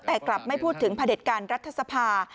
แต่กลับไม่พูดถึงพระเด็จการรัฐสภา